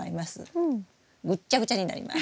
ぐっちゃぐちゃになります。